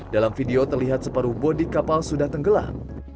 dalam video terlihat separuh bodi kapal sudah tenggelam